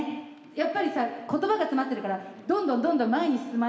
やっぱりさ言葉が詰まってるからどんどんどんどん前に進まないように。